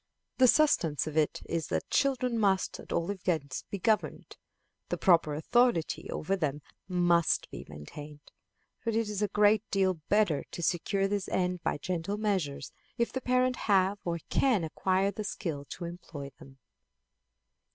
The substance of it is that children must, at all events, be governed. The proper authority over them must be maintained; but it is a great deal better to secure this end by gentle measures, if the parent have or can acquire the skill to employ them.